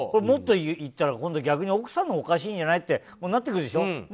もっと言ったら今度は逆に奥さんがおかしいんじゃないってなってくるでしょ。